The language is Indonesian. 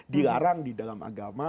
dilarang di dalam agama